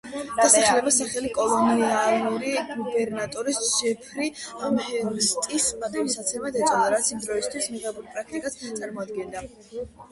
დასახლებას სახელი კოლონიალური გუბერნატორის ჯეფრი ამჰერსტის პატივსაცემად ეწოდა, რაც იმ დროისთვის მიღებულ პრაქტიკას წარმოადგენდა.